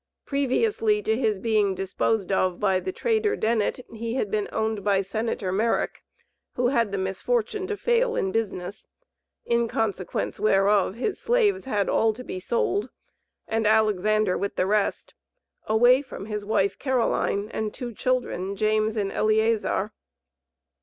Previously to his being disposed of by the trader Dennit, he had been owned by Senator Merrick, who had the misfortune to fail in business, in consequence whereof, his slaves had all to be sold and Alexander with the rest, away from his wife, Caroline, and two children, James and Eliezer.